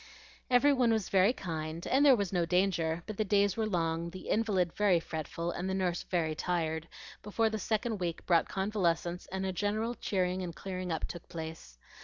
Every one was very kind, and there was no danger; but the days were long, the invalid very fretful, and the nurse very tired, before the second week brought convalescence and a general cheering and clearing up took place.